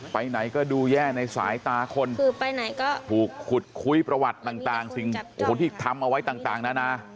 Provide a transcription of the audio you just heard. ไปไหนก็ดูแย่ในสายตาคนคือไปไหนก็ถูกขุดคุยประวัติต่างสิ่งโอ้โหที่ทำเอาไว้ต่างนานา